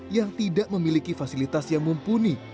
yang tidak memiliki fasilitas yang mumpuni